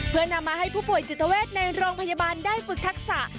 เพื่อนำมาให้ผู้ป่วยจิตเวทในโรงพยาบาลได้ฝึกทักษะ